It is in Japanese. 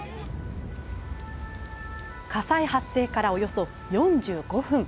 火災発生から、およそ４５分。